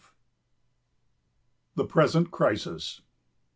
THE PRESENT CRISIS.